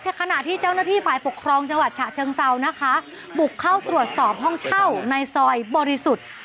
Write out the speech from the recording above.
ขณะที่เจ้าหน้าที่ฝ่ายปกครองจังหวัดฉะเชิงเซานะคะบุกเข้าตรวจสอบห้องเช่าในซอยบริสุทธิ์